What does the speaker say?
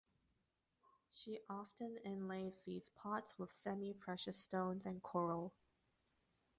She often inlays these pots with semiprecious stones and coral.